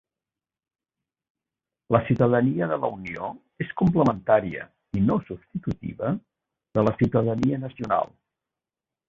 La ciutadania de la Unió és complementària i no substitutiva de la ciutadania nacional.